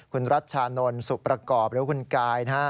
คุณรัชชานนสุประกอบหรือว่าคุณกาย